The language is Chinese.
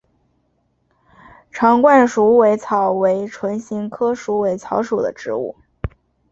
长冠鼠尾草为唇形科鼠尾草属的植物。